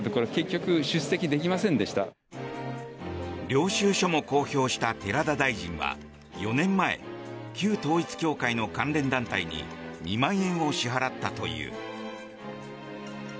領収書も公表した寺田大臣は４年前旧統一教会の関連団体に２万円を支払ったという。